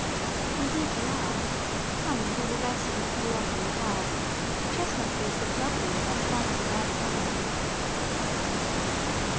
"Indeed you are. Come, and we will rest and cool off in the park. The chestnut trees look lovely with their spikes of white flowers."